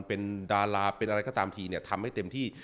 เป็นดาราเป็นอะไรก็ตามทีเนี่ยทำให้เต็มที่